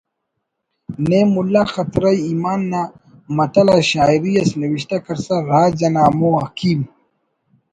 نیم ملا خطرہ ایمان نا متل آ شاعری اس نوشتہ کرسا راج انا ہمو حکیم